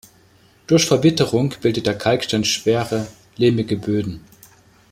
Durch Verwitterung bildet der Kalkstein schwere, lehmige Böden.